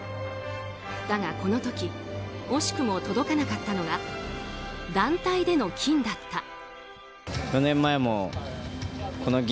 だが、この時惜しくも届かなかったのが団体での金だった。